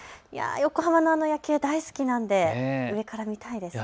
横浜のあの夜景、大好きなんで上から見たいですね。